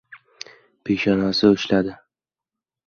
Peshonasini ushladi.